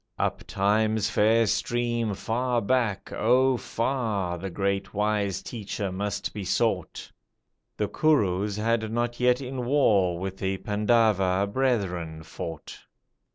Up Time's fair stream far back, oh far, The great wise teacher must be sought! The Kurus had not yet in war With the Pandava brethren fought.